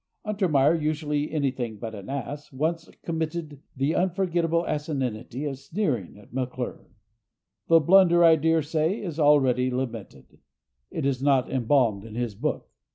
Untermeyer, usually anything but an ass, once committed the unforgettable asininity of sneering at McClure. The blunder, I daresay, is already lamented; it is not embalmed in his book.